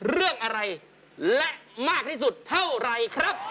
เรื่องอะไรและมากที่สุดเท่าไหร่ครับ